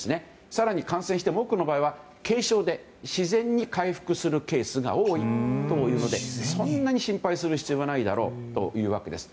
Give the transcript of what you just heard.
更に感染しても多くの場合は軽症で自然に回復するケースが多いというのでそんなに心配する必要はないだろうということです。